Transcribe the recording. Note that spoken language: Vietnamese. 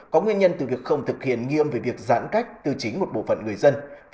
có nguyên nhân từ việc không thực hiện nghiêm về việc giãn cách từ chính một bộ phận người dân